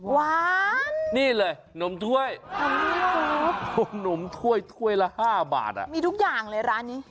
หวานนี่เลยนมถ้วยนมถ้วยถ้วยละ๕บาทมีทุกอย่างเลยร้านนี้